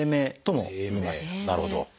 なるほど。